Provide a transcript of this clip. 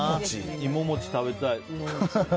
芋餅食べたい。